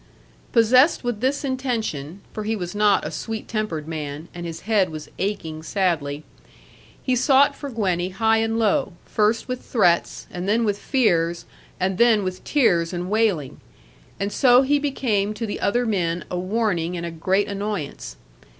Possessed with this intention (for he was not a sweet tempered man, and his head was aching sadly) he sought for Gwenny high and low; first with threats, and then with fears, and then with tears and wailing. And so he became to the other men a warning and a great annoyance.